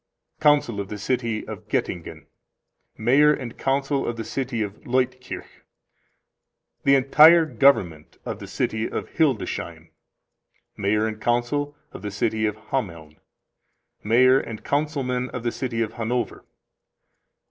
Council of the City of Goettingen. Mayor and Council of the City of Leutkirch. The entire Government of the City of Hildesheim. Mayor and Council of the City of Hameln. Mayor and Councilmen of the City of Hannover.